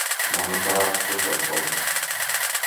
Manuprāt, superforši.